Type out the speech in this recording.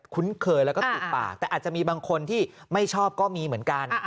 คุ้นเคยแล้วก็ถูกปากแต่อาจจะมีบางคนที่ไม่ชอบก็มีเหมือนกัน